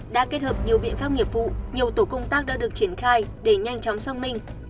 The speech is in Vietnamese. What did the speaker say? đã kết hợp nhiều biện pháp nghiệp vụ nhiều tổ công tác đã được triển khai để nhanh chóng sang minh